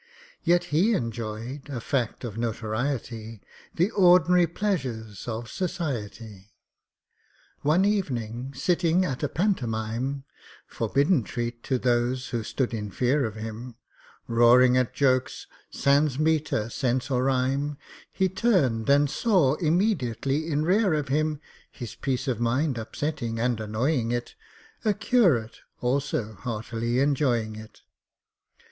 Yet he enjoyed (a fact of notoriety) The ordinary pleasures of society. One evening, sitting at a pantomime (Forbidden treat to those who stood in fear of him), Roaring at jokes, sans metre, sense, or rhyme, He turned, and saw immediately in rear of him, His peace of mind upsetting, and annoying it, A curate, also heartily enjoying it.